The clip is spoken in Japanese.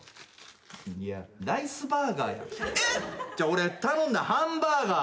俺頼んだのハンバーガー。